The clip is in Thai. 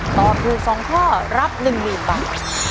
ตอบถูก๒ข้อรับ๑๐๐๐บาท